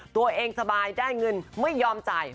ตัวเองสบายได้เงินไม่ยอมจ่าย